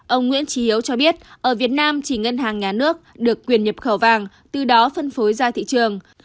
ông nguyễn trí hiếu cho biết ở việt nam chỉ ngân hàng nhà nước được quyền nhập khẩu vàng từ đó phân phối ra thị trường